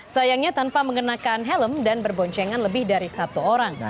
sayangnya tanpa mengenakan helm dan berboncengan lebih dari satu orang